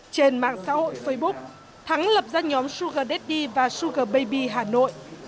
trên mạng xã hội facebook thắng lập ra nhóm sugar daddy và sugar baby hà nội